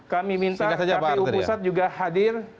kami minta kpu pusat juga hadir